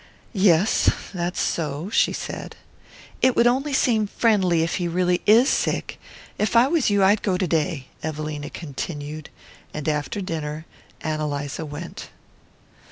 "Yes, that's so," she said. "It would only seem friendly, if he really IS sick. If I was you I'd go to day," Evelina continued; and after dinner Ann Eliza went.